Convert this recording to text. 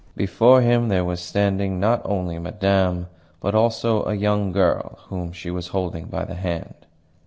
Before him there was standing not only Madame, but also a young girl whom she was holding by the hand.